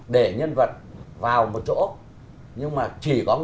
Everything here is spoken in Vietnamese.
để nhân vật vào một chỗ